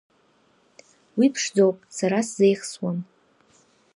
Уи ԥшӡоуп, сара сзеихсуам!